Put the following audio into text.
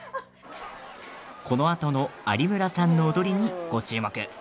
このあとの有村さんの踊りにご注目。